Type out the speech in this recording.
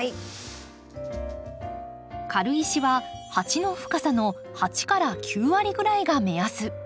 軽石は鉢の深さの８から９割ぐらいが目安。